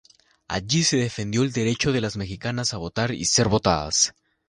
Allí, se defendió el derecho de las mexicanas a votar y ser votadas.